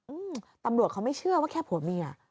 อืมตำรวจเขาไม่เชื่อว่าแค่ผัวเมีย